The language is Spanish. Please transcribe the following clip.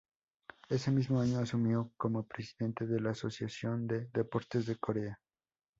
Ese mismo año asumió como presidente de la Asociación de Deportes de Corea.